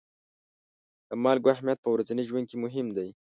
د مالګو اهمیت په ورځني ژوند کې مهم دی.